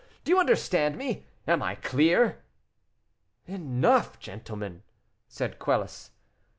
Do you understand me? am I clear?" "Enough, gentlemen!" said Quelus.